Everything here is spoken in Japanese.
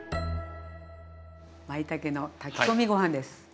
まいたけの炊き込みご飯です！